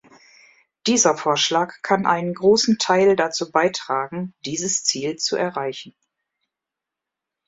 Dieser Vorschlag kann einen großen Teil dazu beitragen, dieses Ziel zu erreichen.